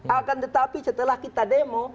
akan tetapi setelah kita demo